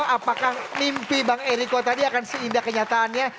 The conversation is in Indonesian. apakah mimpi bang eriko tadi akan seindah kenyataannya